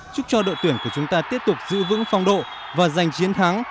chúc cho đội tuyển của chúng ta tiếp tục giữ vững phong độ và giành chiến thắng